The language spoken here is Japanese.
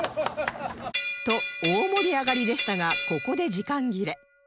と大盛り上がりでしたがここで時間切れ